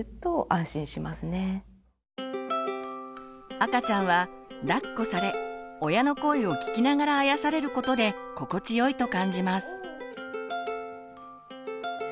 赤ちゃんはだっこされ親の声を聞きながらあやされることで心地よいと感じます。